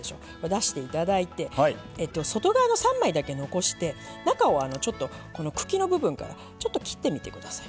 出していただいて外側の３枚だけ残して中をこの茎の部分からちょっと切ってみてください